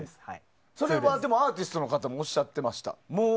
それはアーティストの方もおっしゃってました。